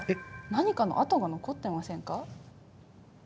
何かの跡が残ってませんか？